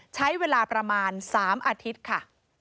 ใช้เวลาประมาณ๓อาทิตย์ค่ะ